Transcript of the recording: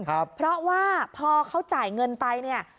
เพราะว่าพอเขาจ่ายเงินไปเนี่ย